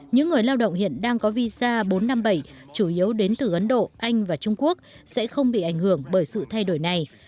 những người lao động hiện đang có visa bốn trăm năm mươi bảy chủ yếu đến từ ấn độ anh và trung quốc sẽ không bị ảnh hưởng bởi sự thay đổi này